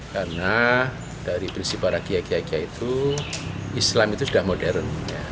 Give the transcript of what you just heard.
karena dari prinsip waragia waragia itu islam itu sudah modern